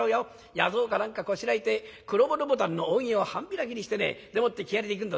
弥蔵か何かこしらえて黒骨牡丹の扇を半開きにしてねでもって木遣りで行くんだ